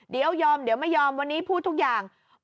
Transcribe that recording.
เดี๋ยวยอมเดี๋ยวไม่ยอมวันนี้พูดทุกอย่าง